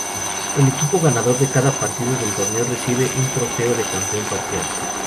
El equipo ganador de cada partido del torneo recibe un trofeo de campeón parcial.